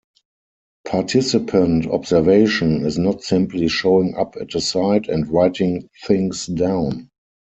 Participant observation is not simply showing up at a site and writing things down.